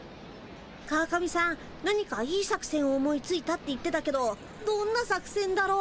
川上さん何かいい作せんを思いついたって言ってたけどどんな作せんだろう。